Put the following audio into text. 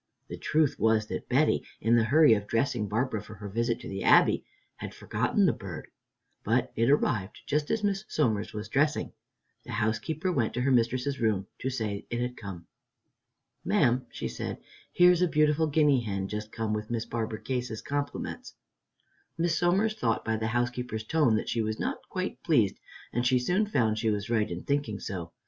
The truth was that Betty, in the hurry of dressing Barbara for her visit to the Abbey, had forgotten the bird, but it arrived just as Miss Somers was dressing. The housekeeper went to her mistress's room to say it had come. "Ma'am," she said, "here's a beautiful guinea hen just come with Miss Barbara Case's compliments." Miss Somers thought by the housekeeper's tone that she was not quite pleased, and she soon found she was right in thinking so.